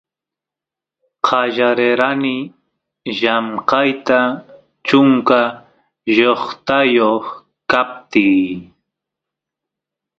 qallarerani llamkayta chunka shoqtayoq kaptiy